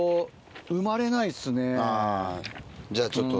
じゃあちょっと。